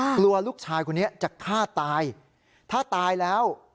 กลัวลูกชายคนนี้จะฆ่าตายถ้าตายแล้ว